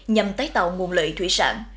nhằm tái tạo nguồn lợi thủy sản